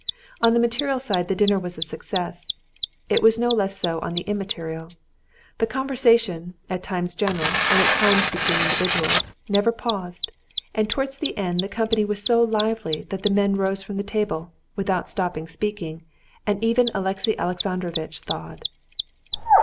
On the material side the dinner was a success; it was no less so on the immaterial. The conversation, at times general and at times between individuals, never paused, and towards the end the company was so lively that the men rose from the table, without stopping speaking, and even Alexey Alexandrovitch thawed.